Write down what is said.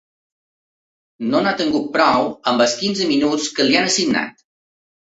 No n’ha tingut prou amb els quinze minuts que li han assignat.